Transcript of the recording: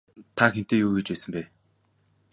Та хэнтэй юу хийж байсан бэ?